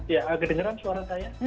ya kedengeran suara saya